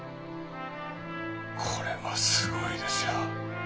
これはすごいですよ。